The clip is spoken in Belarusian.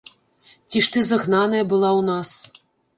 Ці ж ты загнаная была ў нас?